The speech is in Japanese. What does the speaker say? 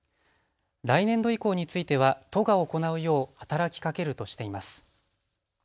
来年度以降については都が行うよう働きかけるとしています。